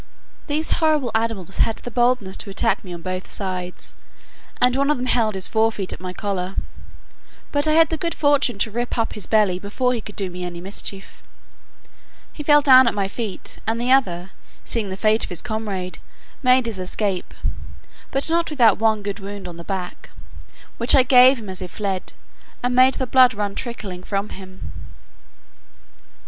These horrible animals had the boldness to attack me on both sides, and one of them held his forefeet at my collar; but I had the good fortune to rip up his belly before he could do me any mischief. He fell down at my feet; and the other, seeing the fate of his comrade, made his escape, but not without one good wound on the back, which I gave him as he fled, and made the blood run trickling from him.